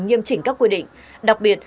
nghiêm chỉnh các quy định đặc biệt